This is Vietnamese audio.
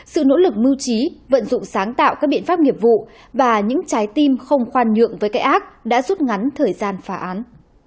sự nỗ lực mưu trí vận dụng sáng tạo các biện pháp nghiệp vụ và những trái tim không khoan nhượng với cái ác đã rút ngắn thời gian phá án